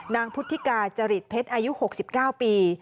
นางพุทธิกาจริตเพชรอายุ๖๙ปี